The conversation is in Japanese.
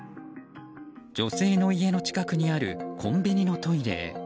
女性の家の近くにあるコンビニのトイレへ。